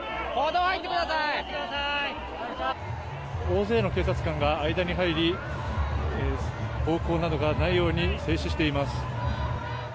大勢の警察官が間に入り暴行などがないように制止しています。